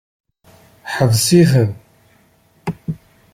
Ḥbes-iten.